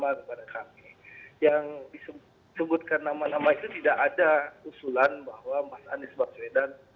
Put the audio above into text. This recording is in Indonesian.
kepada kami yang disebutkan nama nama itu tidak ada usulan bahwa mas anies baswedan